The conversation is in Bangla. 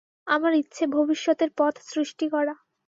আমার ইচ্ছে ভবিষ্যতের পথ সৃষ্টি করা।